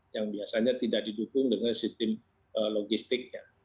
yang biasanya tidak didukung dengan sistem logistiknya